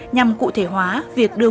nhằm cụ thể hóa việc đưa